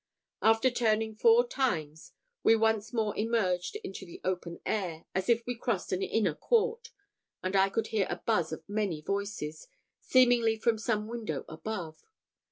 After turning four times, we once more emerged into the open air, as if we crossed an inner court, and I could hear a buzz of many voices, seemingly from some window above.